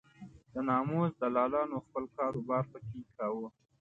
د ناموس دلالانو خپل کار و بار په کې کاوه.